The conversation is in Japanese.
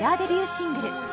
シングル